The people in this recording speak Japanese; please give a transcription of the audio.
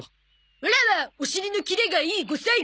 オラはお尻のキレがいい５歳児。